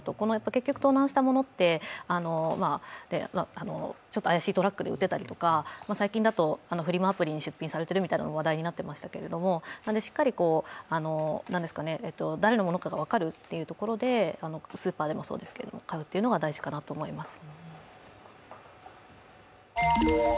結局、盗難したものってちょっと怪しいトラックで売っていたりとか最近だとフリマアプリに出品されてるみたいのも話題になってましたけどしっかり誰のものかが分かるってところでスーパーでもそうですけど買うというのが大事かと思います。